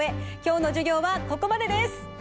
きょうの授業はここまでです！